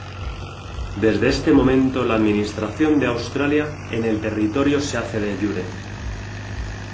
Desde este momento la administración de Australia en el territorio se hace de jure.